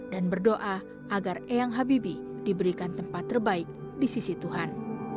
dan berdoa agar eyang habibi diberikan tempat terbaik di sisi tuhan